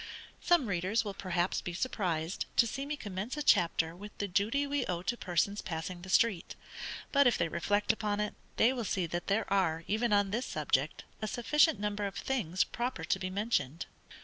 _ Some readers will perhaps be surprised to see me commence a chapter with the duty we owe to persons passing the street; but if they reflect upon it, they will see that there are, even on this subject, a sufficient number of things proper to be mentioned.